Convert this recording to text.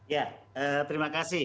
ya terima kasih